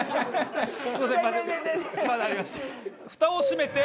まだありました。